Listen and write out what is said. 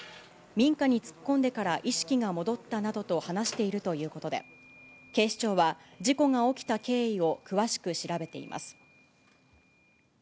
民家に突っ込んでから意識が戻ったなどと話しているということで、警視庁は事故が起きた経緯を詳しく調べています。